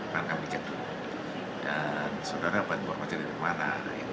dan saudara saudara yang baru berpacar dari mana